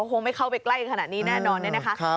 เขาคงไม่เข้าไปใกล้ขนาดนี้แน่นอนนะครับ